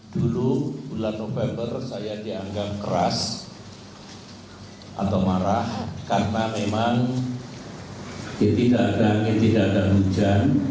dulu bulan november saya dianggap keras atau marah karena memang tidak ada angin tidak ada hujan